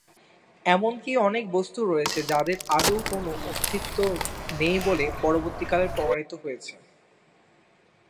এমনকি অনেক বস্তু রয়েছে যাদের আদৌ কোন অস্তিত্ব নেই বলে পরবর্তীকালে প্রমাণিত হয়েছে।